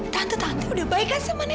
tante tante udah baik kan sama nenek